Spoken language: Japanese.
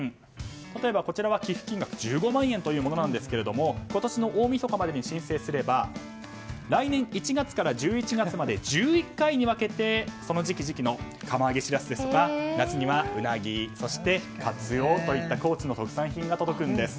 例えばこちらは寄付金額１５万円というものですが今年の大みそかまでに申請すれば来年１月から１１月まで１１回に分けて、その時期の釜揚げシラスや、夏にはウナギそして、カツオといった高知の特産品が届くんです。